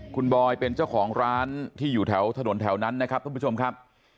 คุณบอยเป็นเจ้าของร้านที่อยู่แถวถนนแถวนั้นนะครับท่านผู้ชมครับ